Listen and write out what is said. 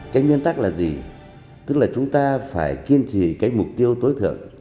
cái nguyên tắc là gì tức là chúng ta phải kiên trì cái mục tiêu tối thượng